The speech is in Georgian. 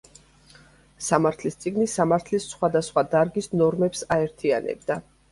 სამართლის წიგნი სამართლის სხვადასხვა დარგის ნორმებს აერთიანებდა.